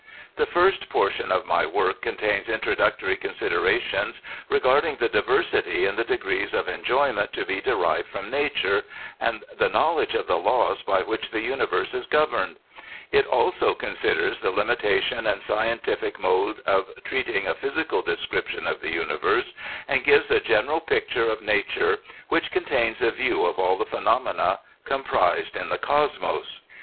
The first portion of my work con tains introductory considerations regarding the diversity in the degrees of enrjoyment to be derived from nature, and the knowledge of the laws by which the universe is governed ; it also considers the limitation and scientific mode of treating a physical desmption of the universe, and gives a general pic ture of nature which contains a view of all the ph^3iomena comprised in the Cosmos.